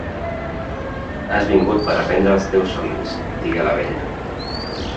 "Has vingut per aprendre dels teus somnis", digué la vella.